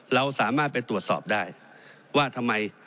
เราสามารถไปตรวจสอบได้ว่าทำไม